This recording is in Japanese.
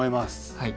はい。